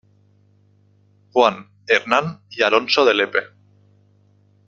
Juan, Hernán, y Alonso de Lepe.